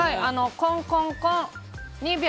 コンコンコン、２秒。